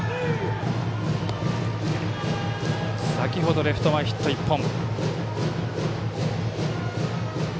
先ほどレフト前ヒット１本。